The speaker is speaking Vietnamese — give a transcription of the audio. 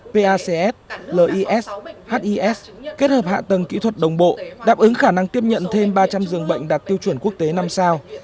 pacs lis his kết hợp hạ tầng kỹ thuật đồng bộ đáp ứng khả năng tiếp nhận thêm ba trăm linh giường bệnh đạt tiêu chuẩn quốc tế năm sao